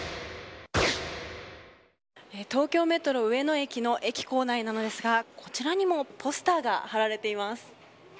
東京メトロ上野駅の駅構内なんですがこちらにもポスターが張られています。